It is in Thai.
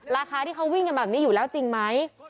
ราคาที่เขาวิ่งกันแบบนี้อยู่แล้วจริงไหม